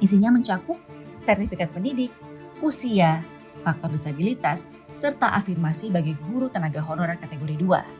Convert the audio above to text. isinya mencakup sertifikat pendidik usia faktor disabilitas serta afirmasi bagi guru tenaga honorer kategori dua